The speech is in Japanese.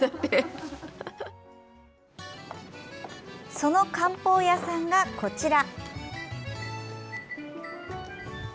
その漢方屋さんが、こちら。